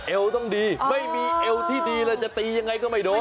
เอวต้องดีไม่มีเอวที่ดีแล้วจะตียังไงก็ไม่โดน